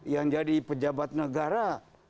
yang jadi pejabat negara